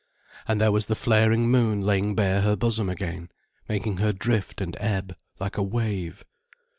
And there was the flaring moon laying bare her bosom again, making her drift and ebb like a wave.